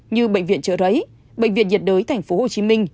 như bệnh viện chợ rấy bệnh viện nhiệt đới tp hcm